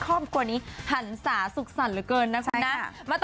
ความกลัวนี้หั่นสาสุขสั่นเหลือเกินนะครับ